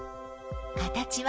形は？